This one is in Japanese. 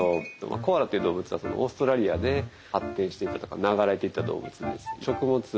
コアラっていう動物はオーストラリアで発展していったというか流れていった動物です。